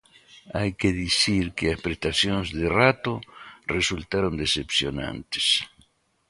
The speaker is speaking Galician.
Hai que dicir que as prestacións de Rato resultaron decepcionantes.